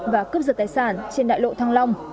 và cướp giật tài sản trên đại lộ thăng long